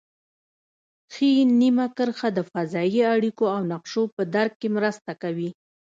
ښي نیمه کره د فضایي اړیکو او نقشو په درک کې مرسته کوي